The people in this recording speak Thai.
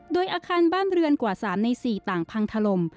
โดยอาคารบ้านเรือนกว่า๓ใน๔ต่างพังถล่ม